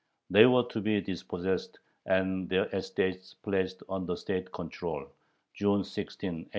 They were to be dispossessed, and their estates placed under state control (June 16, 1800).